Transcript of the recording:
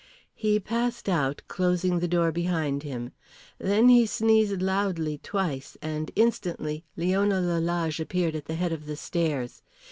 He passed out, closing the door behind him. Then he sneezed loudly twice, and instantly Leona Lalage appeared at the head of the stairs.